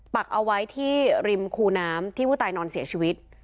ปักเอาไว้ที่ริมคูน้ำที่ผู้ตายนอนเสียชีวิต